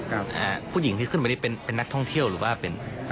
ผู้หญิงที่ขึ้นมานี่เป็นเป็นนักท่องเที่ยวหรือว่าเป็น